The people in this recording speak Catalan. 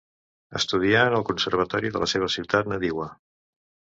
Estudià en el Conservatori de la seva ciutat nadiua.